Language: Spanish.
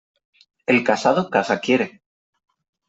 El casado casa quiere.